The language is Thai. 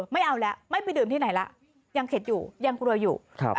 ไม่เอาแล้วไม่ไปดื่มที่ไหนล่ะยังเข็ดอยู่ยังกลัวอยู่